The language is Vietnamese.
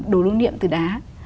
đồ lưu niệm từ đá